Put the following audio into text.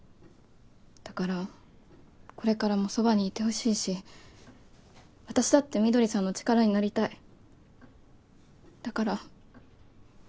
だからこれからもそばにいてほしいし私だって翠さんの力になりたいだから。